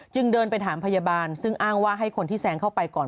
เดินไปถามพยาบาลซึ่งอ้างว่าให้คนที่แซงเข้าไปก่อน